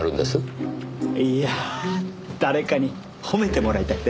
いやあ誰かに褒めてもらいたくて。